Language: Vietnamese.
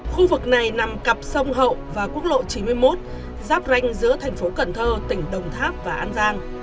khu vực này nằm cặp sông hậu và quốc lộ chín mươi một giáp ranh giữa thành phố cần thơ tỉnh đồng tháp và an giang